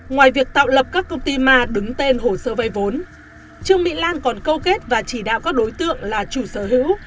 ngoài việc tạo lập các công ty ma đứng tên hồ sơ vay vốn trương mỹ lan còn câu kết và chỉ đạo các đối tượng là chủ sở hữu